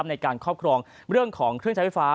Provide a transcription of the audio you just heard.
ในการครอบครองเรื่องของเครื่องใช้ไฟฟ้า